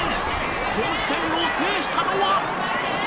混戦を制したのは！？